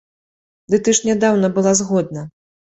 Ды ты ж нядаўна была згодна.